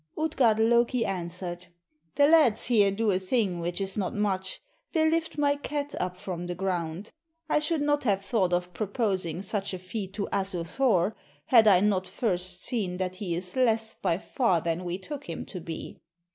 Utgard Loki answered "The lads here do a thing which is not much. They lift my cat up from the ground. I should not have thought of proposing such a feat to Asu Thor, had I not first seen that he is less by far than we took him to be."